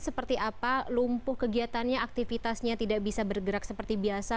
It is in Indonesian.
seperti apa lumpuh kegiatannya aktivitasnya tidak bisa bergerak seperti biasa